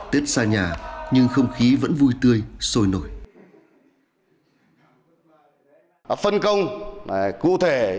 tết xa nhà nhưng không khí vẫn vui tươi sôi nổi